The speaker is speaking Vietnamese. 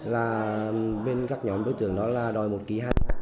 là bên các nhóm đối tượng đó là đòi một kỳ hạn